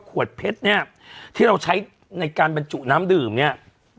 ขวดเพชรเนี่ยที่เราใช้ในการบรรจุน้ำดื่มเนี่ย